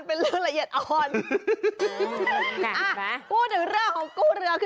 ไม่กู้แล้ว